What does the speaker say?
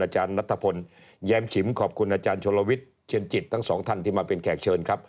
เชียนจิตทั้งสองท่านที่มาเป็นแขกเชิญครับ